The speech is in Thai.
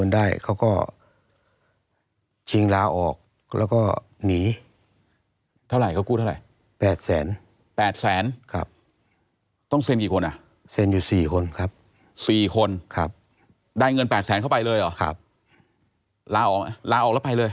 ได้เงินแปดแสนเข้าไปเลยเหรอลาออกแล้วไปเลย